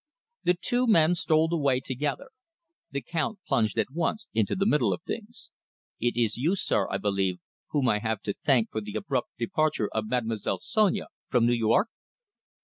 The two men strolled away together. The Count plunged at once into the middle of things. "It is you, sir, I believe, whom I have to thank for the abrupt departure of Mademoiselle Sonia from New York?"